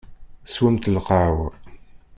Swemt lqahwa.